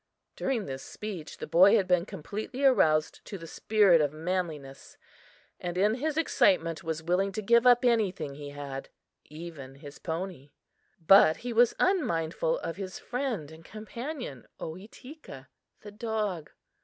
During this speech, the boy had been completely aroused to the spirit of manliness, and in his excitement was willing to give up anything he had even his pony! But he was unmindful of his friend and companion, Ohitika, the dog!